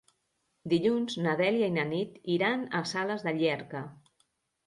Dilluns na Dèlia i na Nit iran a Sales de Llierca.